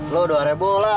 lo dua lah